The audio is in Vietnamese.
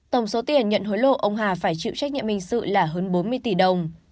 tổng số tiền nhận hối lộ ông hà phải chịu trách nhiệm hình sự là hơn bốn mươi tỷ đồng